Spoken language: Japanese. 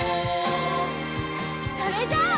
それじゃあ。